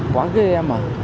quá ghê em à